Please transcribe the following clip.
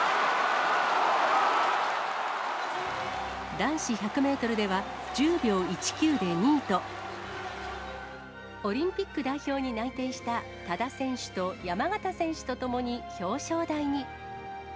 男子１００メートルでは、１０秒１９で２位と、オリンピック代表に内定した多田選手と山縣選手と共に表彰台に。